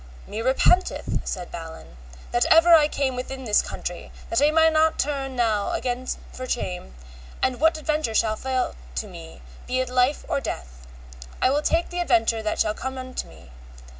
Me repenteth, said Balin, that ever I came within this country, but I may not turn now again for shame, and what adventure shall fall to me, be it life or death, I will take the adventure that shall come to me.